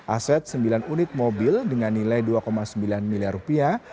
aset sembilan unit mobil dengan nilai dua sembilan miliar rupiah